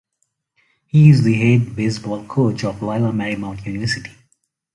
He is the head baseball coach of Loyola Marymount University.